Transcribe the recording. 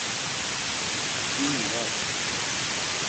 İni var.